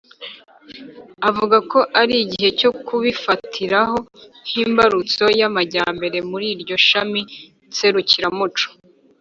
avuga ko ari igihe cyo kubifatiraho nk'imbarutso y'amajyambere muri iryo shami nserukiramuco.